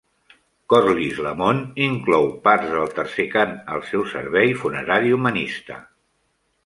Corliss Lamont inclou parts del tercer cant al seu "Servei funerari humanista".